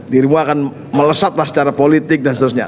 dirimu akan melesatlah secara politik dan seterusnya